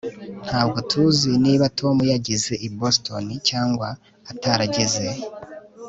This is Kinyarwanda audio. ntabwo tuzi niba tom yageze i boston cyangwa atarageze